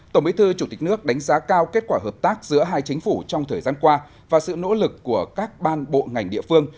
tổng bí thư chủ tịch nước đánh giá cao kết quả hợp tác giữa hai chính phủ trong thời gian qua và sự nỗ lực của các ban bộ ngành địa phương